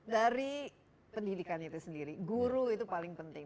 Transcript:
dari pendidikan itu sendiri guru itu paling penting